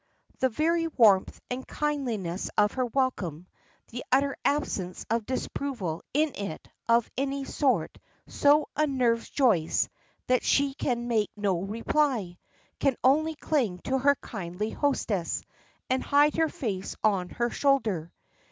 The very warmth and kindliness of her welcome, the utter absence of disapproval in it of any sort, so unnerves Joyce that she can make no reply; can only cling to her kindly hostess, and hide her face on her shoulder.